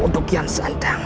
untuk kian santang